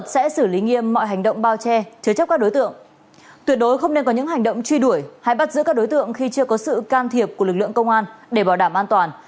tuyệt đối không nên có những hành động truy đuổi hay bắt giữ các đối tượng khi chưa có sự can thiệp của lực lượng công an để bảo đảm an toàn